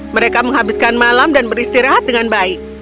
mereka menghabiskan malam dan beristirahat dengan baik